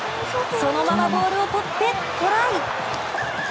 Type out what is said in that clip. そのままボールをとってトライ！